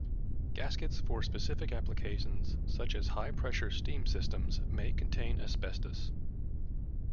Gaskets for specific applications, such as high pressure steam systems, may contain asbestos.